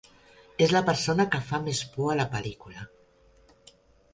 És la persona que fa més por a la pel·lícula.